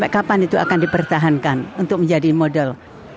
kapan itu akan dipertahankan untuk menjadi model